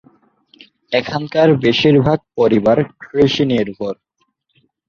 এখানকার বেশীরভাগ পরিবার কৃষি নির্ভর।